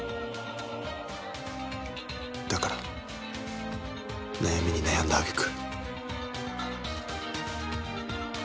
だから悩みに悩んだあげく。